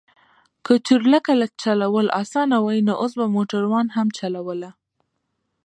که چورلکه چلول اسانه وای نو اوس به موټروان هم چلوله.